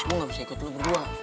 gue gak bisa ikut lo berdua